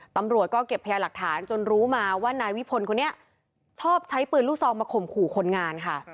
ตำรวจก็เก็บพยาหลักฐานจนรู้มาว่านายวิพลคนนี้ชอบใช้ปืนลูกซองมาข่มขู่คนงานค่ะ